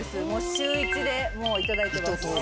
週１でいただいてます。